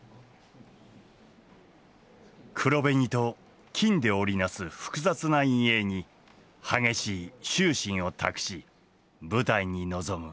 黒紅と金で織り成す複雑な陰影に激しい執心を託し舞台に臨む。